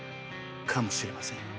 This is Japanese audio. かもしれません。